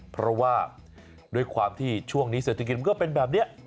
เพราะว่าด้วยความที่ช่วงนี้เศรษฐกิจมันก็เป็นแบบนี้